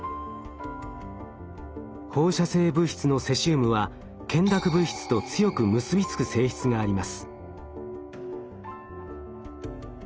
放射性物質のセシウムは懸濁物質と強く結びつく性質があります。